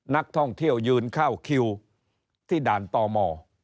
นักท่องเที่ยวยืนเข้าคิวที่ด่านตม